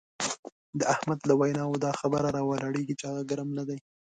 د احمد له وینا دا خبره را ولاړېږي چې هغه ګرم نه دی.